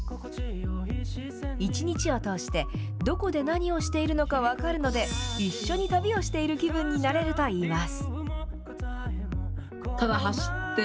１日を通して、どこで何をしているのか分かるので、一緒に旅をしている気分になれるといいます。